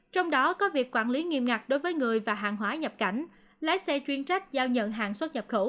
trong đó có việc quản lý nghiêm ngặt đối với người và hàng hóa nhập cảnh lái xe chuyên trách giao nhận hàng xuất nhập khẩu